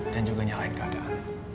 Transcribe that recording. dan juga nyalain keadaan